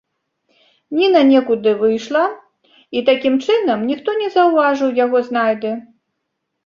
Ніна некуды выйшла, і, такім чынам, ніхто не заўважыў яго знайды.